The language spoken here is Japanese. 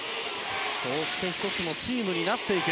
そうして１つのチームになっていく。